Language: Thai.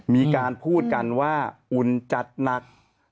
มีการพูดกันว่าอุ่นจัดหนัก